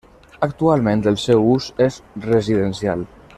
Actualment el seu ús és residencial.